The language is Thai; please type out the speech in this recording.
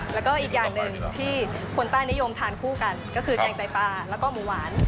แล้วก็อีกอย่างหนึ่งที่คนใต้นิยมทานคู่กันก็คือแกงไตปลาแล้วก็หมูหวาน